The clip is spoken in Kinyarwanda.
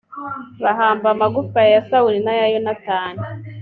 bahamba amagufwa ya sawuli n aya yonatani